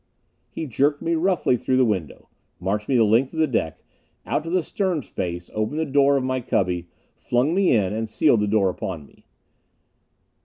He jerked me roughly through the window. Marched me the length of the deck. Out to the stern space; opened the door of my cubby; flung me in and sealed the door upon me.